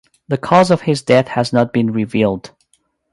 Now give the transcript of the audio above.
The cause of his death has not been revealed.